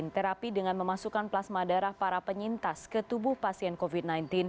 terapi dengan memasukkan plasma darah para penyintas ke tubuh pasien covid sembilan belas